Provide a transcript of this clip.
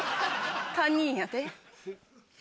堪忍やで。